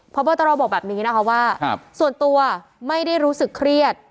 พบตรบอกแบบนี้นะคะว่าส่วนตัวไม่ได้รู้สึกเครียด